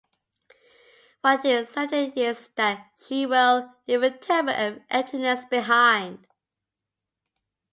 What is certain is that she will leave a terrible emptiness behind.